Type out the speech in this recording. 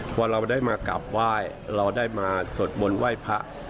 พอเราได้มากราบไหว้เราได้มาสวดมนต์ไหว้พระ